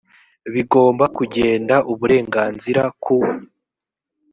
bigomba kugenda uburenganzira ku